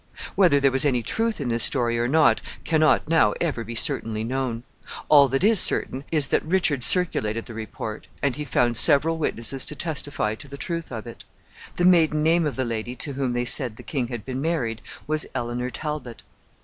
Whether there was any truth in this story or not can not now ever be certainly known. All that is certain is that Richard circulated the report, and he found several witnesses to testify to the truth of it. The maiden name of the lady to whom they said the king had been married was Elinor Talbot.